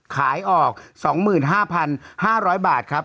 ขายออก๒๕๕๐๐บาทครับ